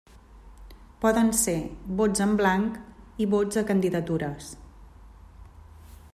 Poden ser vots en blanc i vots a candidatures.